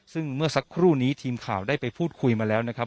ซึ่งเมื่อสักครู่นี้ทีมข่าวได้ไปพูดคุยมาแล้วนะครับ